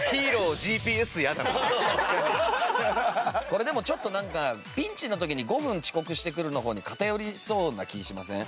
これでもちょっとなんかピンチの時に５分遅刻してくるの方に偏りそうな気しません？